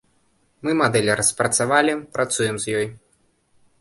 Мы мадэль распрацавалі, працуем з ёй.